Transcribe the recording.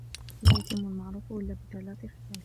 لَا يَتِمُّ الْمَعْرُوفُ إلَّا بِثَلَاثٍ خِصَالٍ